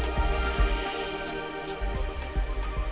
jadi kita harus memiliki kode yang tepat